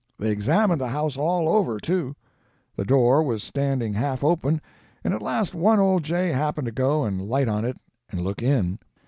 They examined the house all over, too. The door was standing half open, and at last one old jay happened to go and light on it and look in.